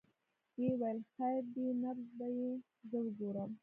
ويې ويل خير دى نبض به يې زه وګورم.